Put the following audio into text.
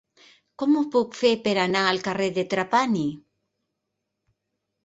Com ho puc fer per anar al carrer de Trapani?